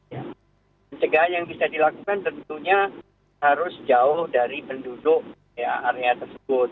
ya pencegahan yang bisa dilakukan tentunya harus jauh dari penduduk area tersebut